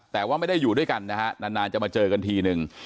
แต่ว่าไม่ได้อยู่ด้วยกันนะฮะนานจะมาเจอกันทีนึง